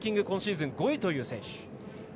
今シーズン５位という選手。